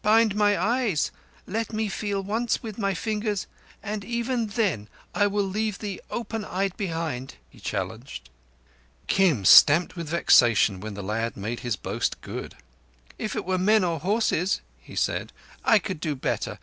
"Bind my eyes—let me feel once with my fingers, and even then I will leave thee opened eyed behind," he challenged. Kim stamped with vexation when the lad made his boast good. "If it were men—or horses," he said, "I could do better.